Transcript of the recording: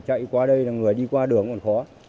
chạy qua đây là người đi qua đường còn khó